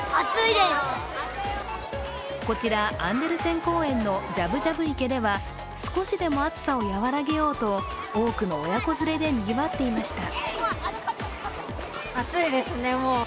こちら、アンデルセン公園のジャジャブ池では少しでも暑さを和らげようと多くの親子連れでにぎわっていました。